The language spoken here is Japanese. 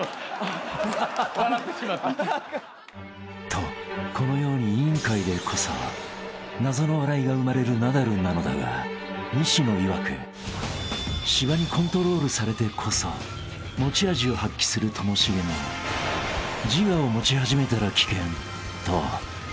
［とこのように『委員会』でこそ謎の笑いが生まれるナダルなのだが西野いわく芝にコントロールされてこそ持ち味を発揮するともしげも自我を持ち始めたら危険と警告しにきたのだ］